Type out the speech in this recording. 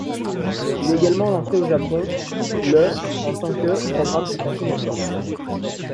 Il est également lancé au Japon le en tant que programme sur Cartoon Network.